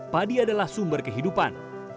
padi adalah sumber kehidupan